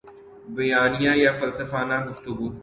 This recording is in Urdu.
بیانیہ یا فلسفانہ گفتگو